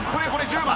１０番。